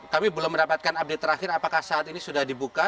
kami belum mendapatkan update terakhir apakah saat ini sudah dibuka